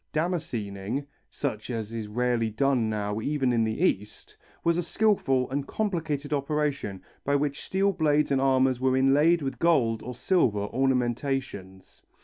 Damascening, such as is rarely done now even in the East, was a skilful and complicated operation by which steel blades and armour were inlaid with gold or silver ornamentations.